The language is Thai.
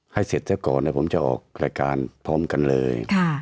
เสร็จซะก่อนเดี๋ยวผมจะออกรายการพร้อมกันเลย